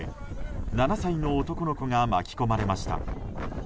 ７歳の男の子が巻き込まれました。